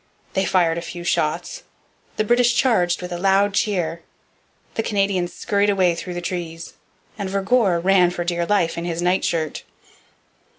They fired a few shots. The British charged with a loud cheer. The Canadians scurried away through the trees. And Vergor ran for dear life in his nightshirt.